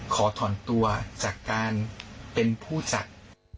ขอถอนตัวจากการเป็นผู้จัด